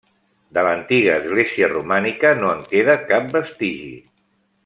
De l’antiga església romànica no en queda cap vestigi.